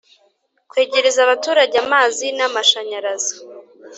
Kwegereza abaturage amazi n amashanyarazi